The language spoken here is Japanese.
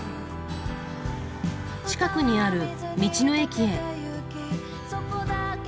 近くにある道の駅へ。